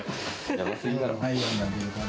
やばすぎだろ。